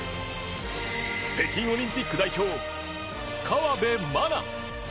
北京オリンピック代表河辺愛菜。